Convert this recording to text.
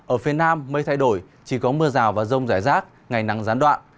ở phía nam mây thay đổi chỉ có mưa rào và rông rải rác ngày nắng gián đoạn